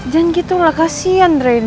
jangan gitu lah kasihan reyna